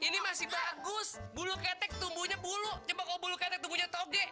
ini masih bagus bulu ketek tumbuhnya bulu coba kalau bulu ketek tumbuhnya toge